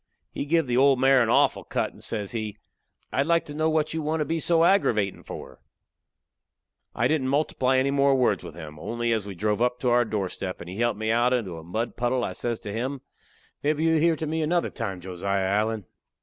He give the old mare a awful cut and says he: "I'd like to know what you want to be so aggravatin' for?" I didn't multiply any more words with him, only as we drove up to our doorstep, and he helped me out into a mud puddle, I says to him: "Mebbe you'll hear to me another time, Josiah Allen."